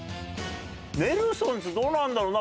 ネルソンズどうなんだろうな？